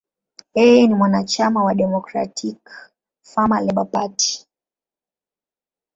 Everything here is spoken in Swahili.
Yeye ni mwanachama wa Democratic–Farmer–Labor Party.